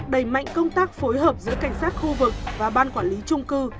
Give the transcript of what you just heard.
đẩy mạnh công tác phối hợp giữa cảnh sát khu vực và ban quản lý trung cư